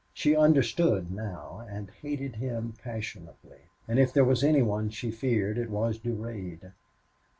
She understood now and hated him passionately. And if there was any one she feared it was Durade.